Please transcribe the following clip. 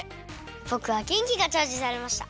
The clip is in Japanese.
ぼくはげんきがチャージされました。